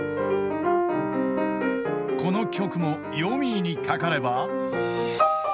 ［この曲もよみぃにかかれば］